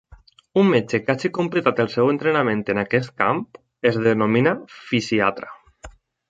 Un metge que hagi completat el seu entrenament en aquest camp es denomina fisiatra.